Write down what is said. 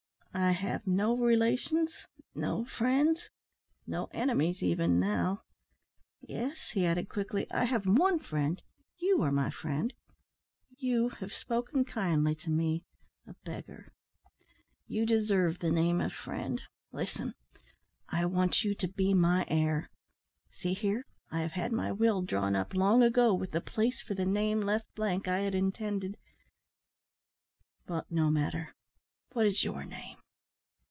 I have no relations no friends no enemies, even, now. Yes," he added, quickly, "I have one friend. You are my friend. You have spoken kindly to me a beggar. You deserve the name of friend. Listen, I want you to be my heir. See here, I have had my will drawn up long ago, with the place for the name left blank I had intended but no matter what is your name?"